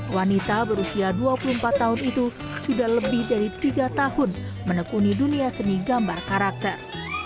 wanita berusia dua puluh empat tahun itu sudah lebih dari tiga tahun menekuni dunia seni gambar karakter